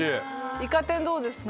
イカ天どうですか？